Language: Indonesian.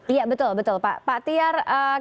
iya betul pak tiar